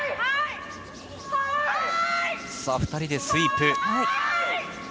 ２人でスイープ。